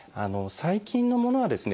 最近のものはですね